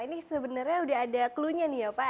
ini sebenarnya sudah ada klunya nih ya pak